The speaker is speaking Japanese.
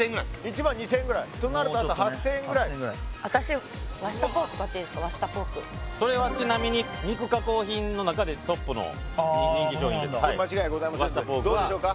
１２０００円ぐらいとなるとあと８０００円ぐらいもうちょっとね８０００円ぐらい私わしたポークそれはちなみに肉加工品の中でトップの人気商品ですわしたポークは間違いございませんのでどうでしょうか？